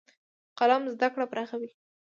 قلم زده کړه پراخوي.